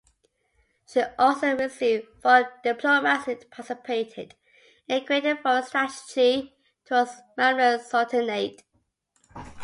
She also received foreign diplomats and participated in creating foreign strategy towards Mamluk Sultanate.